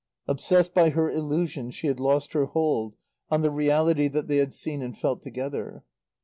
Obsessed by her illusion she had lost her hold on the reality that they had seen and felt together.